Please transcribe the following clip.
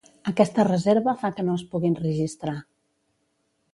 Aquesta reserva fa que no es puguin registrar.